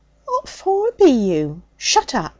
'What for be you ' 'Shut up!